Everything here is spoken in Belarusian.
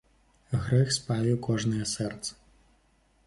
Грэх спавіў кожнае сэрца.